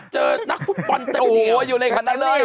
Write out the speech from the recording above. เจอนักฟุตปอนด์เตอร์เดียวโอ้โหอยู่ในคันนั้นเลย